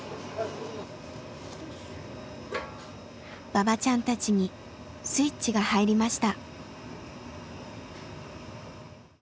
ばばちゃんたちにスイッチが入りました。